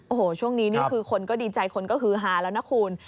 โอ้โหช่วงนี้นี่คือคนก็ดีใจคนก็ฮือฮาแล้วนะคุณ